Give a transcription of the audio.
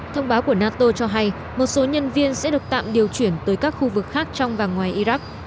thông báo của nato cho hay một số nhân viên sẽ được tạm điều chuyển tới các khu vực khác trong và ngoài iraq